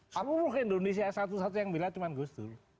semua indonesia satu satu yang membela cuma gus dur